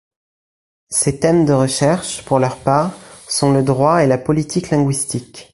Ses thèmes de recherche, pour leur part, sont le droit et la politique linguistique.